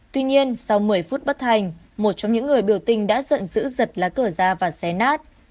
tuy nhiên sau một mươi phút bất thành một trong những người biểu tình đã giận giữ giật lá cờ ra và xé nát